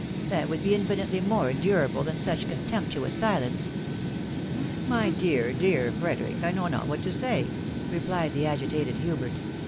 ••. this would be infinitely more endurable than such con temptuous silence." " My dear, dear Frederick, I know not what to say," re plied the agitated Hubert.